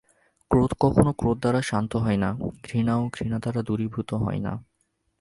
ক্রোধ কখনও ক্রোধ দ্বারা শান্ত হয় না, ঘৃণাও ঘৃণা দ্বারা দূরীভূত হয় না।